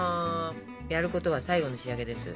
やることは最後の仕上げです。